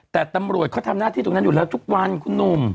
แต่ตำรวจเขาทำหน้าที่ตรงนั้นอยู่แล้วทุกวันคุณหนุ่ม